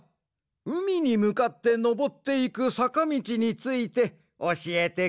うみにむかってのぼっていくさかみちについておしえてくれ。